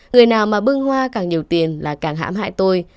người nào mà bưng hoa càng nhiều tiền là càng hãm hại tôi